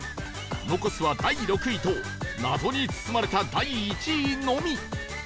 残すは第６位と謎に包まれた第１位のみ